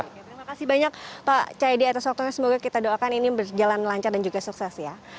oke terima kasih banyak pak cahyadi atas waktunya semoga kita doakan ini berjalan lancar dan juga sukses ya